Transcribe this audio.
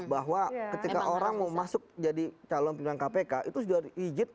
bahwa ketika orang mau masuk jadi calon pimpinan kpk itu sudah izin